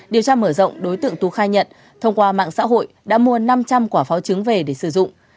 điều tra mở rộng đối tượng tú khai nhận thông qua mạng xã hội đã mua năm trăm linh quả pháo trứng về để sử dụng